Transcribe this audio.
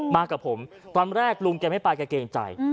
มากับผมตอนแรกลุงแกไม่ไปแกเกรงใจ